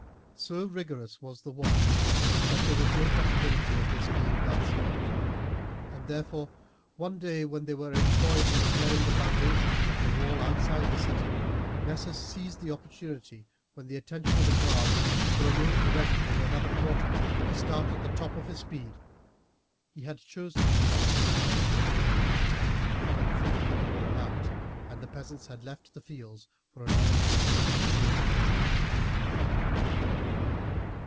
So rigourous was the watch that there was no possibility of this being done secretly, and, therefore, one day when they were employed in repairing the foundations of the wall outside the city Nessus seized the opportunity, when the attention of the guards was for a moment directed in another quarter, to start at the top of his speed. He had chosen the hottest hour of the day for the attempt, when few people were about, and the peasants had left the fields for an hour's sleep under the shade of trees.